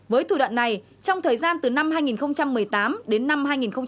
với thủ đoạn này trong thời gian từ năm hai nghìn một mươi tám đến năm hai nghìn một mươi chín